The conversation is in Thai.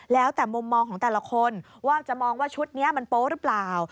แล้วแต่มุมมองของแต่ละคนว่าจะมองว่าชุดนี้มันโป๊ะหรือเปล่า